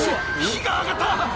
火が上がった！